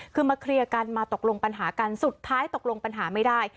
คือมาเคลียร์กันมาตกลงปัญหากันสุดท้ายตกลงปัญหาไม่ได้